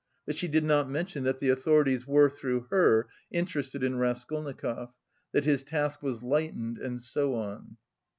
But she did not mention that the authorities were, through her, interested in Raskolnikov; that his task was lightened and so on.